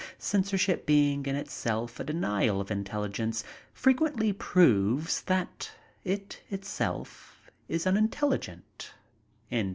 Censorship being in itself a denial of intelligence, frequently proves that it itself is unintelligent."